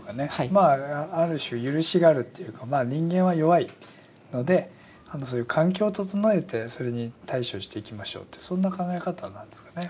まあある種許しがあるというか人間は弱いので環境を整えてそれに対処していきましょうってそんな考え方なんですかね。